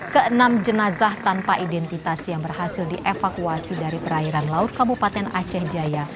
keenam jenazah tanpa identitas yang berhasil dievakuasi dari perairan laut kabupaten aceh jaya